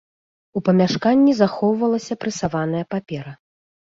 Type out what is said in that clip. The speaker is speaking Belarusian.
У памяшканні захоўвалася прэсаваная папера.